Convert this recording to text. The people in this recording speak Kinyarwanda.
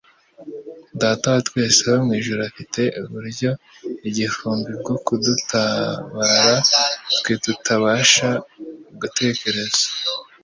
Data wa twese wo mu ijuru afite uburyo igihumbi bwo kudutabara twe tutabasha gutekereza.